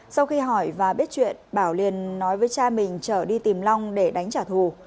sau khi hỏi và biết chuyện bảo liền nói với cha mình trở đi tìm long để đánh trả thù